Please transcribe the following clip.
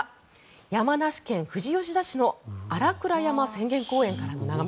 山梨県富士吉田市の新倉山浅間公園からの眺め。